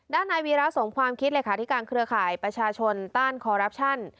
ด้านนายวิรัติสมความคิดที่การเครือข่ายประชาชนต้านคอรัปชั่น